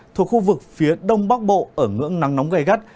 thuộc khu vực phía đông bắc bộ ở ngưỡng nắng nóng gây gắt